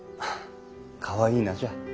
かわいい名じゃ。